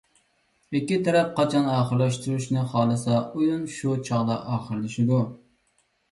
ئىككى تەرەپ قاچان ئاخىرلاشتۇرۇشنى خالىسا، ئويۇن شۇ چاغدا ئاخىرلىشىدۇ.